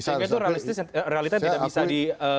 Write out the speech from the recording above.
sehingga itu realitanya tidak bisa dihindari